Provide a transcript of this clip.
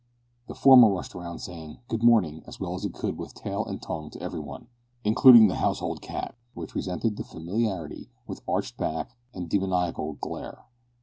The former rushed about, saying "Good morning" as well as it could with tail and tongue to every one, including the household cat, which resented the familiarity with arched back and demoniacal glare.